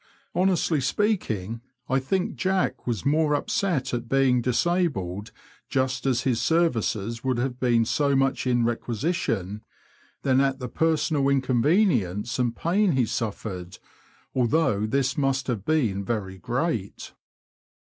Honestly speaking, I think Jack was more upset at being disabled just as his services would have been so much in requisition, than at the personal inconvenience and pain he suffered, although this must have been very great.